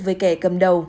về kẻ cầm đầu